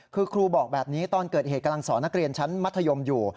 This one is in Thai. คือครูบอกแบบนี้ตอนเกิดเหตุกำลังสอนนักเรียนชั้นมัธยมอยู่